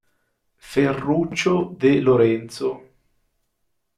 Ferruccio De Lorenzo